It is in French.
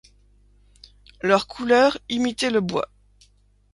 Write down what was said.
Leurs couleurs imitaient le bois.